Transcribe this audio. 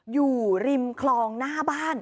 อยู่ริมคลองหน้าบ้าน